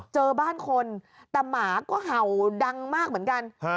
เจอบ้านคนแต่หมาก็เห่าดังมากเหมือนกัน